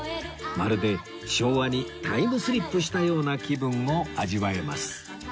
まるで昭和にタイムスリップしたような気分を味わえます